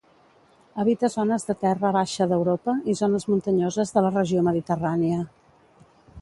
Habita zones de terra baixa d'Europa i zones muntanyoses de la regió mediterrània.